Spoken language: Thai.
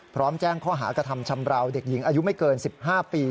พร้อมแจ้งข้อหากระทำชำราวเด็กหญิงอายุไม่เกิน๑๕ปี